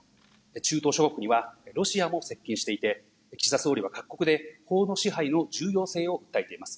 中東諸国にはロシアも接近していて、岸田総理は各国で法の支配の重要性を訴えています。